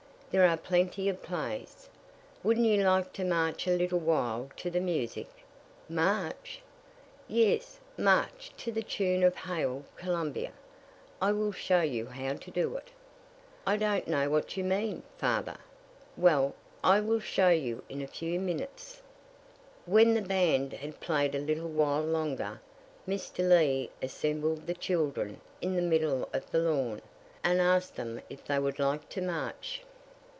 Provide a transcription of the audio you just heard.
"There are plenty of plays. Wouldn't you like to march a little while to the music?" "March?" "Yes, march to the tune of 'Hail, Columbia.' I will show you how to do it." "I don't know what you mean, father." "Well, I will show you in a few minutes." When the band had played a little while longer, Mr. Lee assembled the children in the middle of the lawn, and asked them if they would like to march.